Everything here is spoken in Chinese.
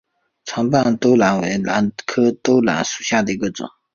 长瓣兜兰为兰科兜兰属下的一个种。